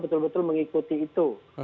betul betul mengikuti itu